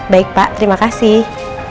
baik pak terima kasih